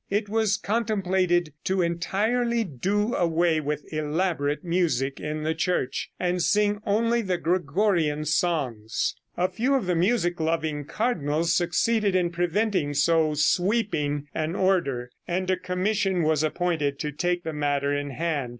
It was contemplated to entirely do away with elaborate music in the Church, and sing only the Gregorian songs. A few of the music loving cardinals succeeded in preventing so sweeping an order, and a commission was appointed to take the matter in hand.